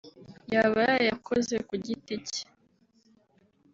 yaba yayakoze ku giti cye